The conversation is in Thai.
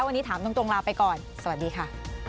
วันนี้ถามตรงลาไปก่อนสวัสดีค่ะ